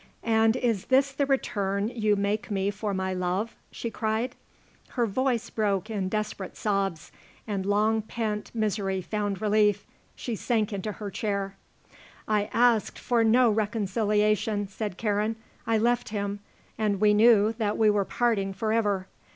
"And is this the return you make me for my love?" she cried. Her voice broke in desperate sobs and long pent misery found relief. She sank into her chair. "I asked for no reconciliation," said Karen. "I left him and we knew that we were parting forever.